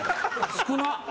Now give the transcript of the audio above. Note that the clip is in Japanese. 少なっ。